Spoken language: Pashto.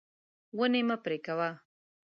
ونې مه پرې کوه.